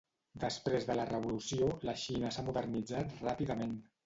Després de la revolució, la Xina s'ha modernitzat ràpidament.